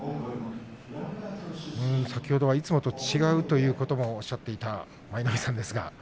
いつもとは違うということをおっしゃっていた舞の海さんですが。